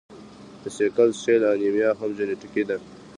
د سیکل سیل انیمیا هم جینیټیکي ده.